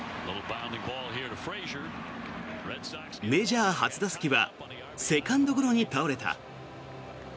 メジャー初打席はセカンドゴロに倒れた。